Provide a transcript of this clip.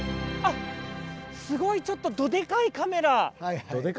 あっすごいちょっとどでかいカメラ？